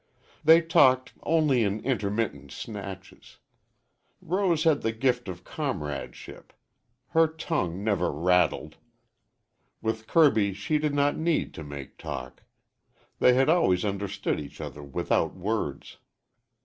They talked only in intermittent snatches. Rose had the gift of comradeship. Her tongue never rattled. With Kirby she did not need to make talk. They had always understood each other without words.